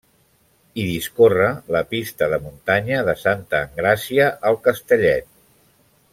Hi discorre la pista de muntanya de Santa Engràcia al Castellet.